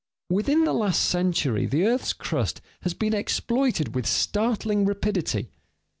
Within the last century the earth's crust has been exploited with startling rapidity.